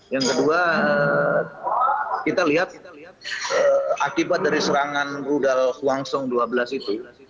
yang kedua kita lihat akibat dari serangan rudal huangsong dua belas itu